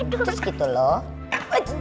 terus gitu loh